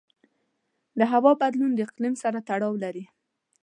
د هوا بدلون د اقلیم سره تړاو لري.